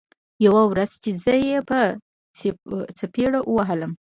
يوه ورځ چې زه يې په څپېړو ووهلم.